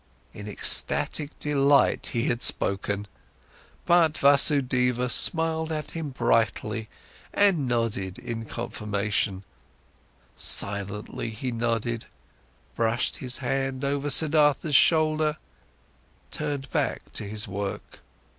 In ecstatic delight, he had spoken, but Vasudeva smiled at him brightly and nodded in confirmation; silently he nodded, brushed his hand over Siddhartha's shoulder, turned back to his work.